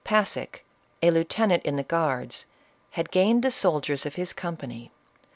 Passick, a lieutenant in the guards, had gained the soldiers of his company.